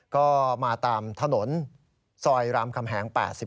ก็มาตามถนนซอยรามคำแหง๘๑